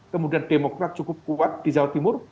kemudian demokrat cukup kuat di jawa timur